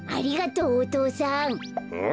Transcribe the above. うん。